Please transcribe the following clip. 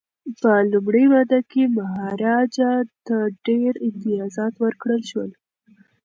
په لومړۍ ماده کي مهاراجا ته ډیر امتیازات ورکړل شول.